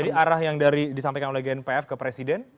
jadi arah yang disampaikan oleh gnpf ke presiden